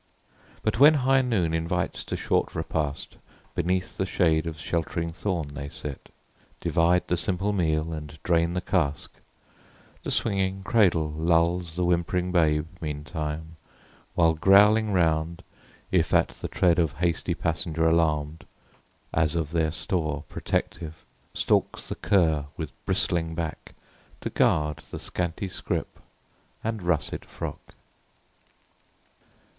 But when high noon invites to short repast, Beneath the shade of sheltering thorn they sit, Divide the simple meal, and drain the cask: The swinging cradle lulls the whimpering babe Meantime; while growling round, if at the tread Of hasty passenger alarm'd, as of their store Protective, stalks the cur with bristling back, To guard the scanty scrip and russet frock.